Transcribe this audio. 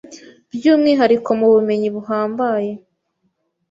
By'umwihariko mu bumenyi buhambaye